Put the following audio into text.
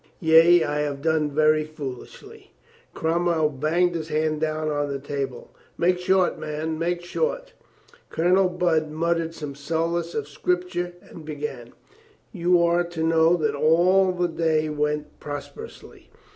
Yea, I have done very foolishly." Cromwell banged his hand down on the table. "Make short, man, make short" Colonel Budd muttered some solace of Scripture and began : "You are to know that all the day went prosperously.